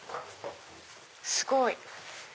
すごい。